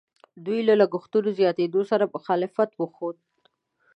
دوی له لګښتونو زیاتېدلو سره مخالفت وښود.